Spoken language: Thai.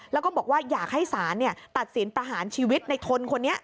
แล้วก็บอกว่าอยากให้ศาลตัดสินประหารชีวิตในทนคนนี้